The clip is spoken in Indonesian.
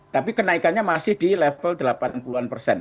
tapi kenaikannya masih di level delapan puluh an persen